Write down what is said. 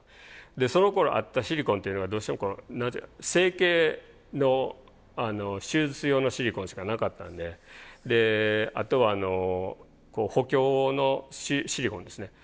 そのころあったシリコンっていうのがどうしても整形の手術用のシリコンしかなかったんであとは補強のシリコンですね。